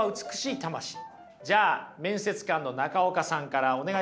じゃあ面接官の中岡さんからお願いします。